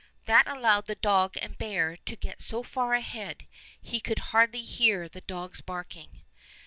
That allowed the dog and bear to get so far ahead he could hardly hear the dog's barking.